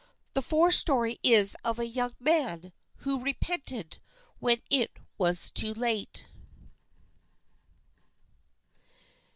"The fourth story is of a young man who repented when it was too late."